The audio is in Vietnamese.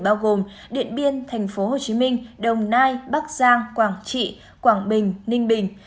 bao gồm điện biên tp hcm đồng nai bắc giang quảng trị quảng bình ninh bình